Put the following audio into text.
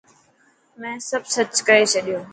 مين سب سچ ڪئي ڇڏيو.